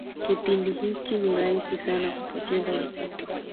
kipindi hiki ni rahisi sana kupoteza uzito